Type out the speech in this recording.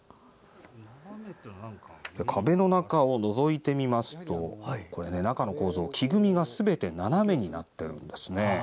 壁の中をのぞいてみますと中の構造、木組みがすべて斜めになっているんですね。